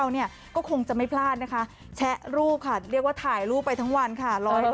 สวยฉ่ำทุกรูปนะคะ